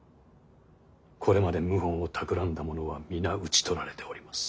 これまで謀反をたくらんだ者は皆討ち取られております。